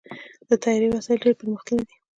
د طیارې وسایل ډېر پرمختللي دي.